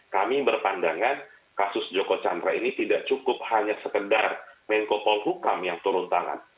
kami berpandangan kasus joko chandra ini tidak cukup hanya sekedar menko polhukam yang turun tangan